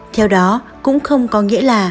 theo đó cũng không có nghĩa là